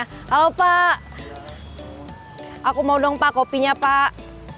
halo pak aku mau dong pak kopinya pak